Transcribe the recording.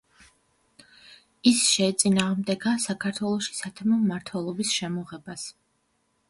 ის შეეწინააღმდეგა საქართველოში სათემო მმართველობის შემოღებას.